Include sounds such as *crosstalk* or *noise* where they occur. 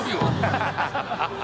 ハハハ *laughs*